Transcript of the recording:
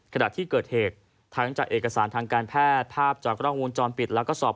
ขณะที่เกิดเหตุทั้งจากเอกสารทางการแพทย์ภาพจากรองวงจรปิด